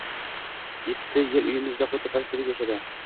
Yetti yil uyimizda xuddi farishtadek yashadi.